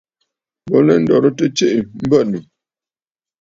Bo lɛ ndoritə tsiʼi mbə̂nnù.